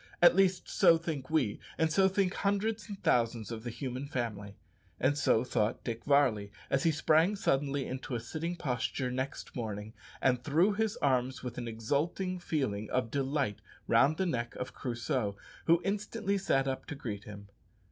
At least so think we, and so think hundreds and thousands of the human family. And so thought Dick Varley, as he sprang suddenly into a sitting posture next morning, and threw his arms with an exulting feeling of delight round the neck of Crusoe, who instantly sat up to greet him.